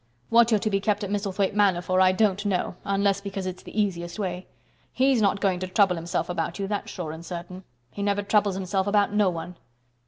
What you're to be kept at Misselthwaite Manor for I don't know, unless because it's the easiest way. He's not going to trouble himself about you, that's sure and certain. He never troubles himself about no one."